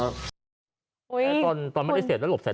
ผมไม่ได้เสียบหรอกครับ